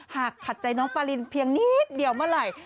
หากขัดใจน้องปารินเพียงนิดเดียวเมื่อไหร่